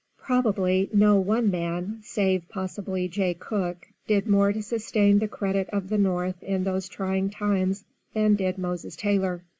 Probably no one man, save possibly Jay Cook, did more to sustain the credit of the North in those trying times than did Moses Taylor.